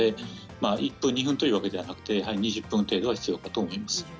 １分、２分ではなく２０分程度は必要かと思います。